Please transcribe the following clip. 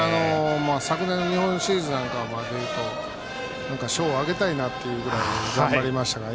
昨年日本シリーズでいうと何か賞をあげたいなってぐらい頑張りましたからね。